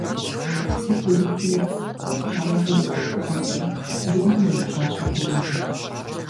Сыт узыхуейр, сыт ущӀэмыжейр, ШыкъумцӀий, - жиӀэри еупщӀащ абы Удыр.